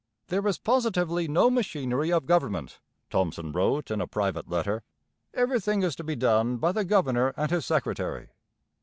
'There is positively no machinery of government,' Thomson wrote in a private letter. 'Everything is to be done by the governor and his secretary.'